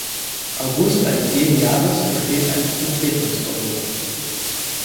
August eines jeden Jahres besteht ein Betretungsverbot.